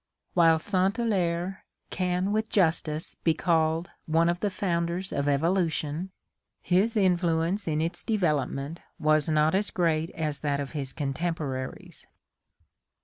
While St. Hilaire can with justice be called one of the founders of Evolution, his influence in its development was not as great as that of his con temporaries.